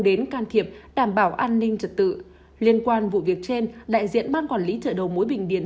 đến can thiệp đảm bảo an ninh trật tự liên quan vụ việc trên đại diện ban quản lý chợ đầu mối bình điền